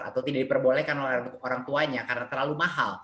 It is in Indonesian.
atau tidak diperbolehkan oleh orang tuanya karena terlalu mahal